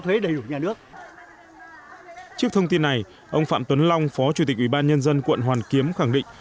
trước thông tin này ông phạm tuấn long phó chủ tịch ủy ban nhân dân quận hoàn kiếm khẳng định